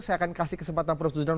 saya akan kasih kesempatan prof juzon